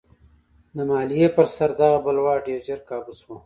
د مالیې پر سر دغه بلوا ډېر ژر کابو شوه.